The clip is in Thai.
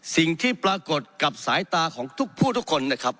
สิ่งที่ปรากฏกับสายตาของทุกผู้ทุกคนนะครับ